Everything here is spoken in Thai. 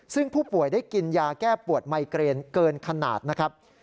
ซึ่งผู้ป่วยได้กินยาแก้ปวดไมเกรนเกินขนาดนะครับ